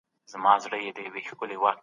پوهان په پرمختیا کي د خلګو ونډه اړینه بولي.